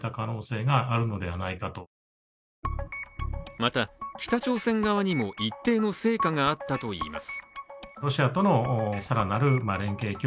また北朝鮮側にも一定の成果があったといいます。